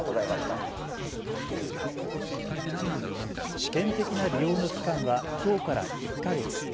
試験的な利用の期間はきょうから１か月。